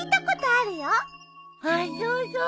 あっそうそう！